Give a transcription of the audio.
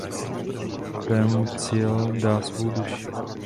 Poté mu Ciel dá svoji duši.